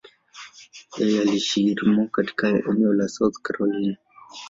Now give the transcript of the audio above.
Yeye anaishi Irmo, katika eneo la South Carolina.